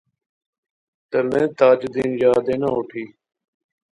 تہ میں تاج دین یاد اینا اٹھی